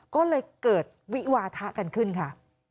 ก็เลยเกิดวิวาทะกันขึ้นค่ะ